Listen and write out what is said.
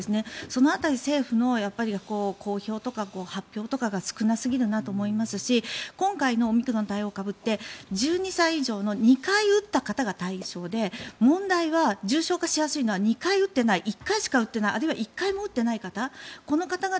その辺り、政府の公表とか発表とかが少なすぎるなと思いますし今回のオミクロン対応って１２歳以上の２回打った方が対象で問題は、重症化しやすいのは２回打っていない１回しか打っていないあるいは１回も打っていない方々。